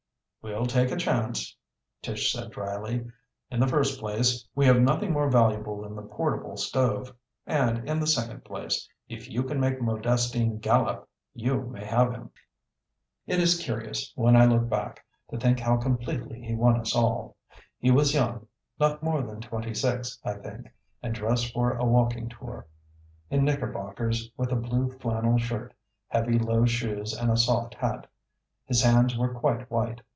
"We'll take a chance," Tish said dryly. "In the first place, we have nothing more valuable than the portable stove; and in the second place, if you can make Modestine gallop you may have him." It is curious, when I look back, to think how completely he won us all. He was young not more than twenty six, I think and dressed for a walking tour, in knickerbockers, with a blue flannel shirt, heavy low shoes and a soft hat. His hands were quite white.